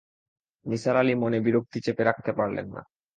নিসার আলি মনে বিরক্তি চেপে রাখতে পারলেন না।